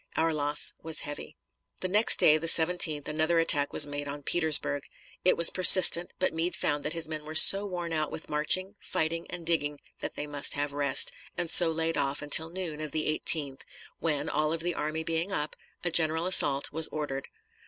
Our loss was heavy. The next day, the 17th, another attack was made at Petersburg. It was persistent, but Meade found that his men were so worn out with marching, fighting, and digging that they must have rest, and so laid off until noon of the 18th, when, all of the army being up, a general assault was ordered.